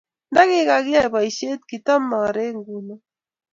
Ndakigiyae boishet kotagimokoreek nguno